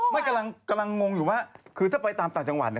ไม่กำลังงงอยู่ว่าคือถ้าไปตามต่างจังหวัด